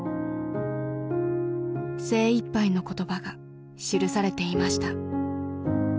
精いっぱいの言葉が記されていました。